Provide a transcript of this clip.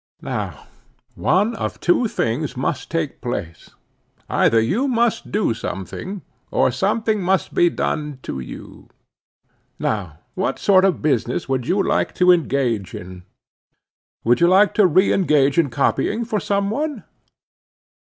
"Now one of two things must take place. Either you must do something, or something must be done to you. Now what sort of business would you like to engage in? Would you like to re engage in copying for some one?"